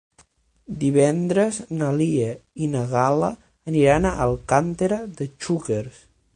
Divendres na Lia i na Gal·la aniran a Alcàntera de Xúquer.